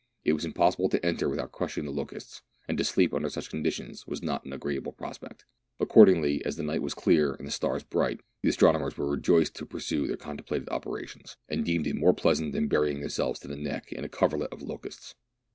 It was impossible to enter without crushing the locusts, and to sleep under such conditions was not an agreeable prospect. Accordingly, as the night was clear and the stars bright, the astronomers were rejoiced to pursue their contemplated operations, and deemed it more pleasant than burying themselves to the neck in a coverlet of locusts.